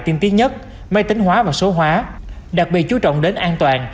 tiên tiến nhất máy tính hóa và số hóa đặc biệt chú trọng đến an toàn